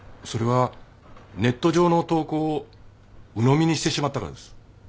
それはネット上の投稿をうのみにしてしまったからです。